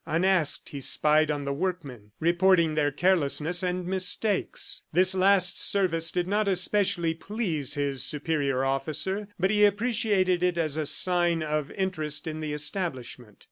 Unasked, he spied on the workmen, reporting their carelessness and mistakes. This last service did not especially please his superior officer, but he appreciated it as a sign of interest in the establishment.